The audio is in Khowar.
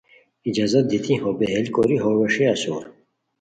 اجازت دیتی ہو بہیل کوری ہو ویݰئیے اسور